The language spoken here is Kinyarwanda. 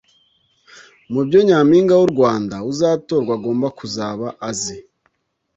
Mu byo Nyampinga w’u Rwanda uzatorwa agomba kuzaba azi